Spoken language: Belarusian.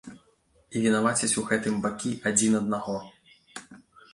І вінавацяць у гэтым бакі адзін аднаго.